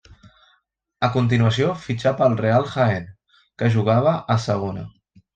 A continuació fitxà pel Real Jaén, que jugava a Segona.